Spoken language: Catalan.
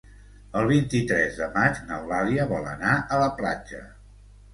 El vint-i-tres de maig n'Eulàlia vol anar a la platja.